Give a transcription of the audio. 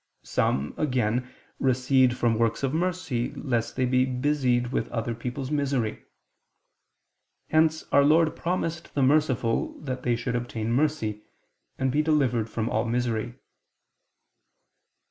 Some, again, recede from works of mercy, lest they be busied with other people's misery. Hence Our Lord promised the merciful that they should obtain mercy, and be delivered from all misery.